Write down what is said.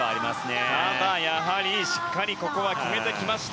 ただやはりしっかり決めてきました。